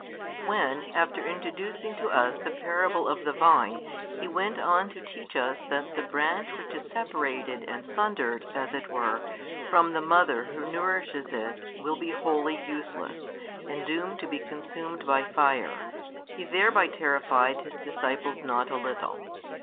When, after introducing to us the parable of the vine, He went on to teach us that the branch which is separated and sundered, as it were, from the mother who nourishes it will be wholly useless, and doomed to be consumed by fire, He thereby terrified His disciples not a little.